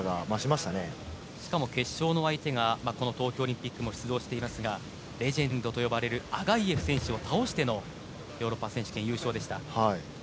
しかも決勝の相手が東京オリンピックも出場していますがレジェンドと呼ばれるアガイェフ選手を倒してのヨーロッパ選手権優勝でした。